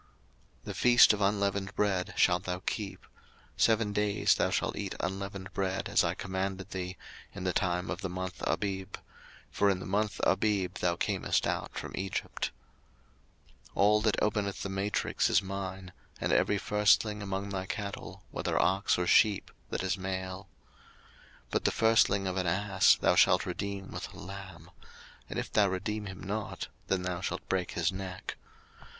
02:034:018 The feast of unleavened bread shalt thou keep. Seven days thou shalt eat unleavened bread, as I commanded thee, in the time of the month Abib: for in the month Abib thou camest out from Egypt. 02:034:019 All that openeth the matrix is mine; and every firstling among thy cattle, whether ox or sheep, that is male. 02:034:020 But the firstling of an ass thou shalt redeem with a lamb: and if thou redeem him not, then shalt thou break his neck.